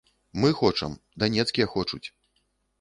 Мы хочам, данецкія хочуць.